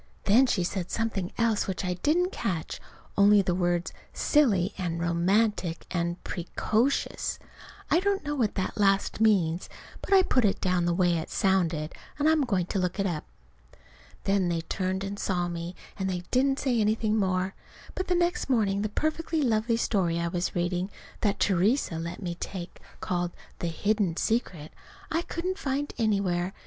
Then she said something else which I didn't catch, only the words "silly" and "romantic," and "pre co shus." (I don't know what that last means, but I put it down the way it sounded, and I'm going to look it up.) Then they turned and saw me, and they didn't say anything more. But the next morning the perfectly lovely story I was reading, that Theresa let me take, called "The Hidden Secret," I couldn't find anywhere.